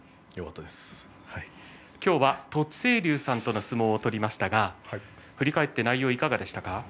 今日は栃清龍さんとの相撲を取りましたが振り返って内容はいかがでしたか。